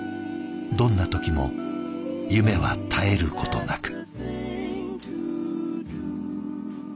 どんな時も夢は絶えることなく。